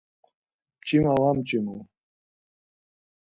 Mç̌ima var mç̌imu.